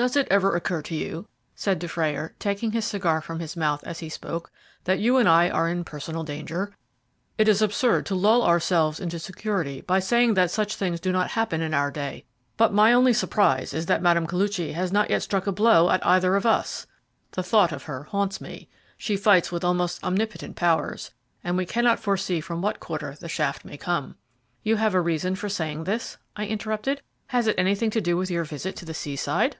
"Does it ever occur to you," said Dufrayer, taking his cigar from his mouth as he spoke, "that you and I are in personal danger? It is absurd to lull ourselves into security by saying that such things do not happen in our day, but my only surprise is that Mme. Koluchy has not yet struck a blow at either of us. The thought of her haunts me; she fights with almost omnipotent powers, and we cannot foresee from what quarter the shaft may come." "You have a reason for saying this?" I interrupted. "Has it anything to do with your visit to the seaside?"